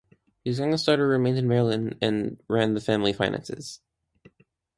His youngest daughter remained in Maryland and ran the family finances.